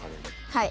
はい。